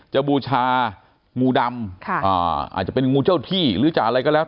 บูชางูดำอาจจะเป็นงูเจ้าที่หรือจะอะไรก็แล้ว